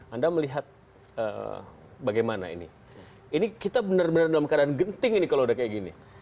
anda melihat bagaimana ini ini kita benar benar dalam keadaan genting ini kalau udah kayak gini